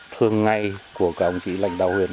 thường ngày của các ông chị lãnh đạo huyện